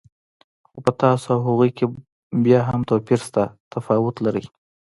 خو په تاسو او هغوی کې بیا هم توپیر شته، تفاوت لرئ.